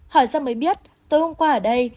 hỏi ra mới biết tôi hôm qua ở đây